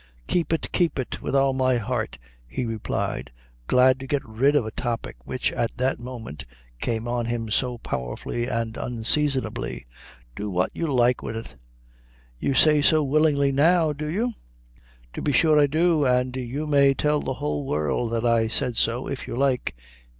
"Keep it, keep it, wid all my heart," he replied, glad to get rid of a topic which at that moment came on him so powerfully and unseasonably. "Do what you like wid it." "You say so willingly, now do you?" "To be sure I do; an' you may tell the whole world that I said so, if you like."